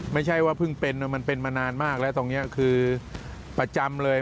ไม่ใช่ว่าเพิ่งเป็นมันเป็นมานานมากแล้วตรงนี้คือประจำเลย